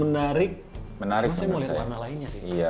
menarik maksudnya mau lihat warna lainnya sih